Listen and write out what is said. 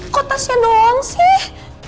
kok tasnya doang sih